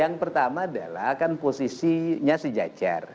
yang pertama adalah kan posisinya sejajar